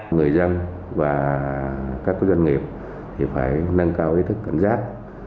người dân và các công nghiệp phải nâng cao ý thức cảm giác